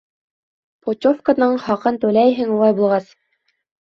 Путевканың хаҡын түләйһең улай булғас!